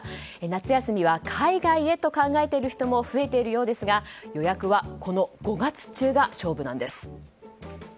夏休みは海外へと考えている人も増えているようですが予約は、この５月中が勝負なんです。